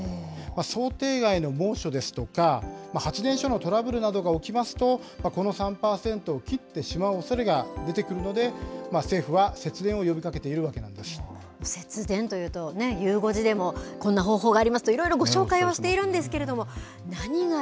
想定外の猛暑ですとか、発電所のトラブルなどが起きますと、この３％を切ってしまうおそれが出てくるので、政府は節電を呼び節電というとね、ゆう５時でも、こんな方法がありますと、いろいろご紹介はしているんですけ